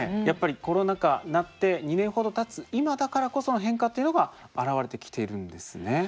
やっぱりコロナ禍になって２年ほどたつ今だからこその変化っていうのが現れてきてるんですね。